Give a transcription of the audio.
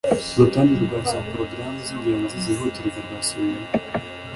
urutonde rwa za porogaramu z'ingenzi zihutirwa rwasubiwemo